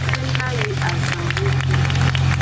Sena yi azanduxu.